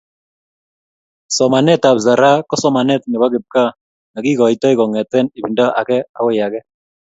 Somanetab zaraa ko somanetab nebo kipkaa nekikoitoi kongete ebendo age agoi age